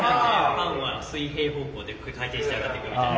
パンは水平方向で回転して上がってくみたいな。